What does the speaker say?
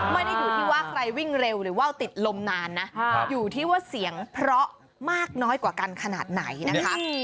ไม่ได้อยู่ที่ว่าใครวิ่งเร็วหรือว่าวติดลมนานนะอยู่ที่ว่าเสียงเพราะมากน้อยกว่ากันขนาดไหนนะคะ